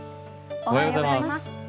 おはようございます。